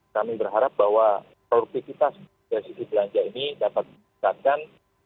kami berharap bahwa produktivitas dari sisi belanja ini dapat disekatkan